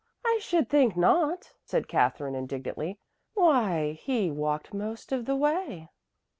"I should think not," said Katherine indignantly. "Why, he walked most of the way."